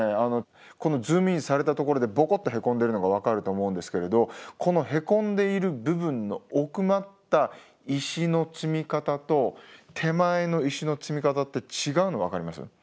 ズームインされたところでボコッとへこんでるのが分かると思うんですけれどこのへこんでいる部分の奥まった石の積み方と手前の石の積み方って違うの分かります？